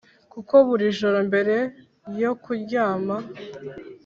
kuko buri joro mbere yo kuryama,